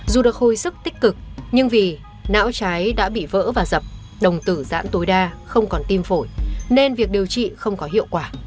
dù được hồi sức tích cực nhưng vì não trái đã bị vỡ và dập đồng tử giãn tối đa không còn tim phổi nên việc điều trị không có hiệu quả